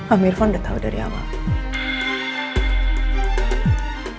amirvan udah tahu dari awal